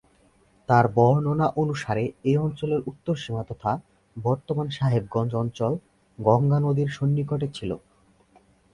তার বর্ণনা অনুসারে এই অঞ্চলের উত্তর সীমা তথা বর্তমান সাহেবগঞ্জ অঞ্চল গঙ্গা নদীর সন্নিকটে ছিল।